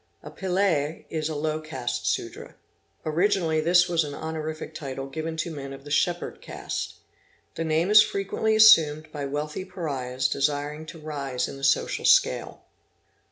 A Pillaz is a low caste Sudra. Originally this was an honorific title given to men of the Shepherd caste. The name is frequently assumed by wealthy pariahs desiring to rise in the social scale.